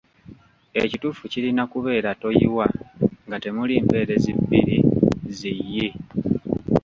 Ekituufu kirina kubeera ‘toyiwa’ nga temuli mpeerezi bbiri zi 'i'.